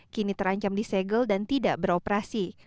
kini terancam disegel dan tidak beroperasi